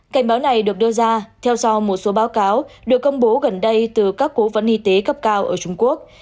cảnh báo này được đưa ra theo sau một số báo cáo được công bố gần đây từ các cố vấn y tế cấp cao ở trung quốc